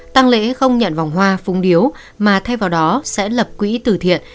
tăng lễ không nhận vòng hoa phúng điếu mà thay vào đó sẽ lập quỹ tử thiện